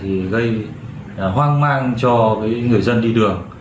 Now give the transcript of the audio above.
về việc này gây hoang mang cho người dân đi đường